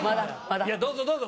いやどうぞどうぞ！